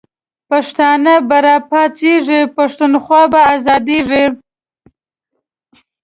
پښتانه به را پاڅیږی، پښتونخوا به آزادیږی